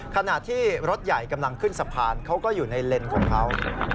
ขณะที่รถใหญ่กำลังขึ้นสะพานเขาก็อยู่ในเลนส์ของเขา